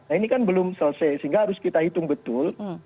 nah ini kan belum selesai sehingga harus kita hitung betul